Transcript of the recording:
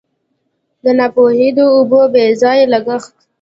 دا ناپوهي د اوبو د بې ځایه لګښت.